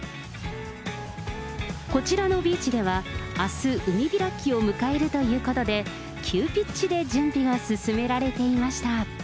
こちらのビーチでは、あす、海開きを迎えるということで、急ピッチで準備が進められていました。